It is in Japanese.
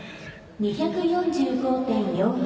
２４５．４１